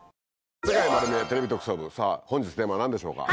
『世界まる見え！テレビ特捜部』本日のテーマ何でしょうか？